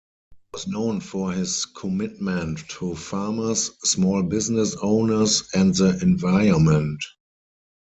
He was known for his commitment to farmers, small business owners, and the environment.